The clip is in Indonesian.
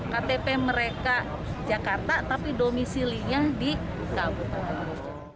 ktp mereka jakarta tapi domisilinya di kabupaten